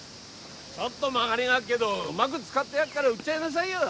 ちょっと曲がりがあっけどうまぐ使ってやっから売っちゃいなさいよ。